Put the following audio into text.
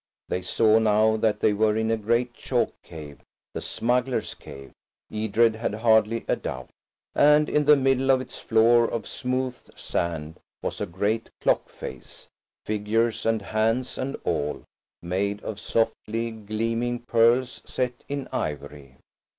They saw now that they were in a great chalk cave–the smugglers' cave, Edred had hardly a doubt. And in the middle of its floor of smooth sand was a great clock face–figures and hands and all–made of softly gleaming pearls set in ivory.